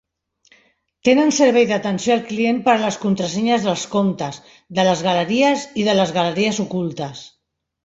Tenen servei d'atenció al client per a les contrasenyes dels comptes, de les galeries i de les galeries ocultes.